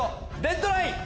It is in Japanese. デッドライン！